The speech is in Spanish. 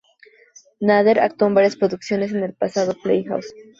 Nader actuó en varias producciones en el Pasadena Playhouse.